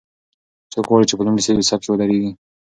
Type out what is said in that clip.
څوک غواړي چې په لومړي صف کې ودریږي؟